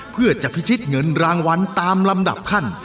เพื่อจะพิชิตเงินรางวัลตามลำดับขั้น